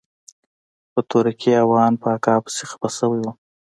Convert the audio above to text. په تورکي او ان په اکا پسې خپه سوى وم.